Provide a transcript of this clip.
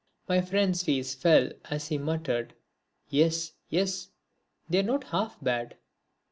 My friend's face fell as he muttered, "Yes, yes, they're not half bad."